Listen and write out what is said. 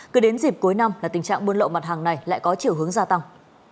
cứ đến dịp cuối năm là tình trạng buôn lậu mặt hàng này lại có chiều hướng gia tăng